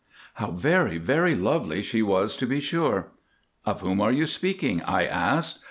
"How very, very lovely she was to be sure!" "Of whom are you speaking?" I asked.